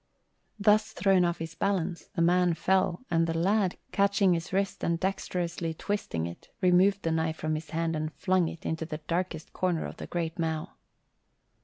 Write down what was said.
Thus thrown off his balance, the man fell and the lad, catching his wrist and dexterously twisting it, removed the knife from his hand and flung it into the darkest corner of the great mow.